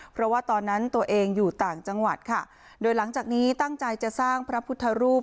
เพราะว่าตอนนั้นตัวเองอยู่ต่างจังหวัดค่ะโดยหลังจากนี้ตั้งใจจะสร้างพระพุทธรูป